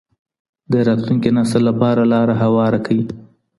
د راتلونکي نسل لپاره لاره هواره کړئ.